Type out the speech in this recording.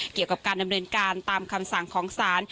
เกี่ยวกับการดำเนินการตามคำสั่งของศาล